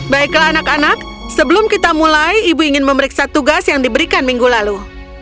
baiklah anak anak sebelum kita mulai ibu ingin memeriksa tugas yang diberikan minggu lalu